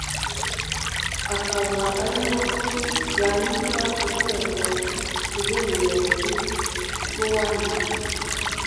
akaba ariho bandika urwego rw’ubuyobozi rw’uwandikiwe